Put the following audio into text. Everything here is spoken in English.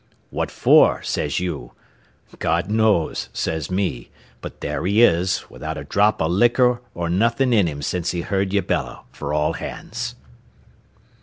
'What for?' says you; 'God knows,' says me; but there he is, without a drop o' licker or nothin' in him since he heard ye bellow fer all hands."